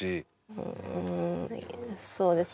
うんそうです